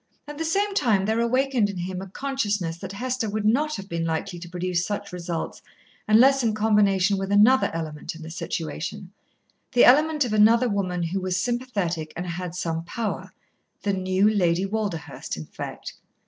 At the same time there awakened in him a consciousness that Hester would not have been likely to produce such results unless in combination with another element in the situation, the element of another woman who was sympathetic and had some power, the new Lady Walderhurst, in fact.